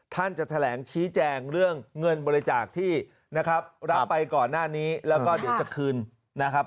ท่านจะแถลงชี้แจงเรื่องเงินบริจาคที่นะครับรับไปก่อนหน้านี้แล้วก็เดี๋ยวจะคืนนะครับ